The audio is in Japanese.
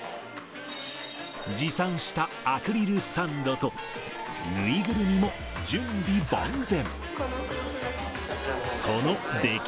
持参したアクリルスタンドと縫いぐるみも準備万全。